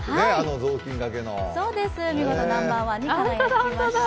見事ナンバーワンに輝きました。